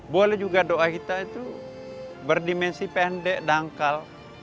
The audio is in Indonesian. boleh juga doa kita itu berdimensi pendek dangkal